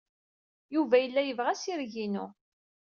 Yuba yella yebɣa assireg-inu.